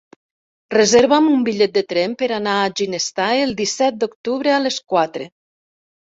Reserva'm un bitllet de tren per anar a Ginestar el disset d'octubre a les quatre.